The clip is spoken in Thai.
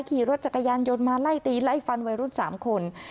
ขี่รถจักรยานยนต์มาไล่ตีไล่ฟันวัยรุ่น๓คน